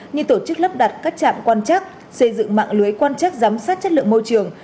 như tổ chức lắp đặt các trạm quan chắc xây dựng mạng lưới quan trắc giám sát chất lượng môi trường